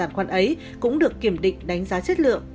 giàn khoan ấy cũng được kiểm định đánh giá chất lượng